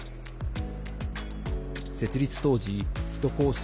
設立当時１コース